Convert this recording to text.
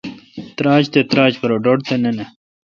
تراچ تہ تراچ پرہ ڈھٹ تہ نہ نہ